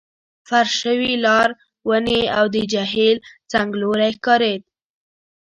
فرش شوي لار، ونې، او د جهیل څنګلوری ښکارېد.